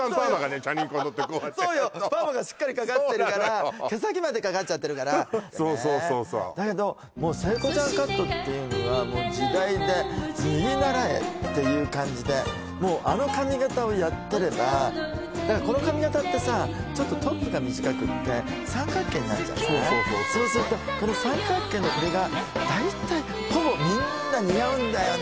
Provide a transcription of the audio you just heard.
チャリンコに乗ってこうやってパーマがしっかりかかってるから毛先までかかっちゃってるからそうそうそう聖子ちゃんカットっていうのはもう時代で右ならえっていう感じでもうあの髪形をやってればだからこの髪形ってさちょっとトップが短くて三角形になるじゃないそうするとこの三角形のこれが大体ほぼみんな似合うんだよね